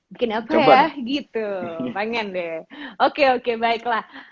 bikin apa ya gitu pengen deh oke oke baiklah